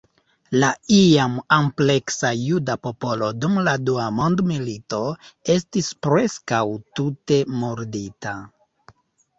La iam ampleksa juda popolo dum la Dua Mondmilito estis preskaŭ tute murdita.